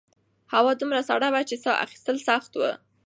هوا دومره سړه وه چې سا ایستل سخت وو.